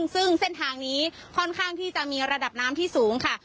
ซึ่งเส้นทางนี้ค่อนข้างที่จะมีระดับน้ำที่สูงค่ะ